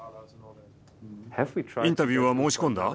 インタビューは申し込んだ？